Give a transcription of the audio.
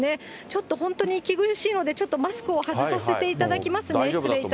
ちょっと本当に息苦しいので、ちょっとマスクを外させていただきますね。